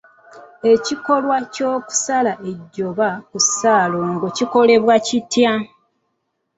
Ekikolwa ky’okusala ejjoba ku ssaalongo kikolebwa kitya?